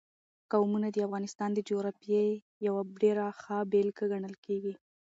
قومونه د افغانستان د جغرافیې یوه ډېره ښه بېلګه ګڼل کېږي.